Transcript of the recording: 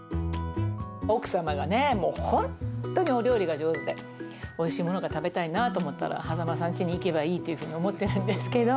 奥様がね、もう本当にお料理が上手で、おいしいものが食べたいなと思ったら、羽佐間さんちに行けばいいっていうふうに思ってるんですけど。